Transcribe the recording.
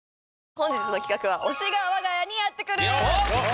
本日の企画は「推しが我が家にやってくる！」